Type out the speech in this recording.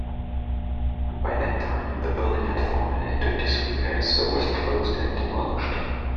By that time the building had fallen into disrepair so was closed and demolished.